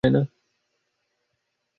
বৌমা-সেই হইতে সে আর যায় না।